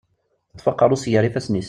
Teṭṭef aqerru-s gar yifassen-is.